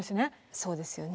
そうですよね。